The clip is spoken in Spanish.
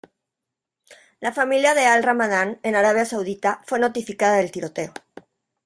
La familia de Al-Ramadán en Arabia Saudita fue notificada del tiroteo.